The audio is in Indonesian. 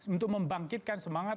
untuk membangkitkan semangat